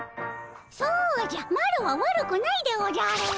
そうじゃマロは悪くないでおじゃる！